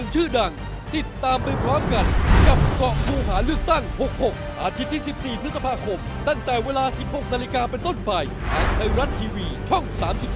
ช่องสามสิบทรอง